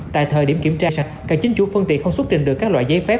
tại thời điểm kiểm tra sạch cả chính chủ phương tiện không xuất trình được các loại giấy phép